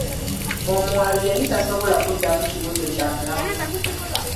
Omuwaabi yali tasobola kuddamu kibuuzo kya mulamuzi.